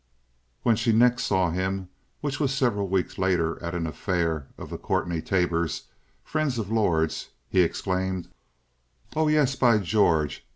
When she next saw him, which was several weeks later at an affair of the Courtney Tabors, friends of Lord's, he exclaimed: "Oh yes. By George!